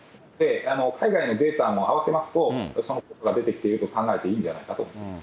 海外のデータも合わせますと、その効果が出てきていると考えていいんじゃないかと思ってます。